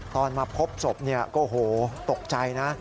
ตอนมาพบศพก็โหตกใจนะ